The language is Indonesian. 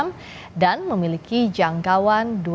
untuk menangkis serangan itu israel mengandalkan perang ke shirjah